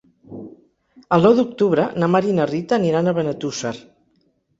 El nou d'octubre na Mar i na Rita aniran a Benetússer.